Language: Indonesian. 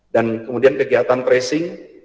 dan kemudian kegiatan tracing